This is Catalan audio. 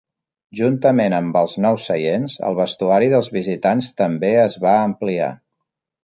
Juntament amb els nous seients, el vestuari dels visitants també es va ampliar.